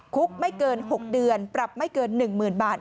คุกไม่เกิน๖เดือนปรับไม่เกิน๑๐๐๐บาท